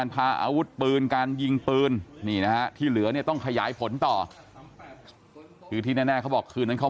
สพระพระแดงก็แจ้งข้อหาไปนะครับเรื่องของอาวุธปืนนะครับเรื่องของอาวุธปืนนะครับ